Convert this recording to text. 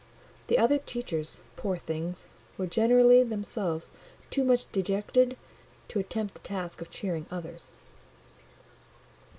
The other teachers, poor things, were generally themselves too much dejected to attempt the task of cheering others.